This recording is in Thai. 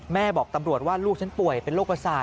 บอกตำรวจว่าลูกฉันป่วยเป็นโรคประสาท